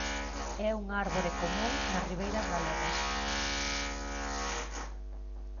É unha árbore común nas ribeiras galegas.